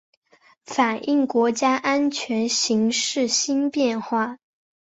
反映国家安全形势新变化